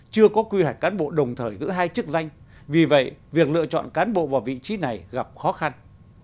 chưa có quy hoạch cán bộ đồng thời giữ hai chức danh vì vậy việc lựa chọn cán bộ vào vị trí này gặp khó khăn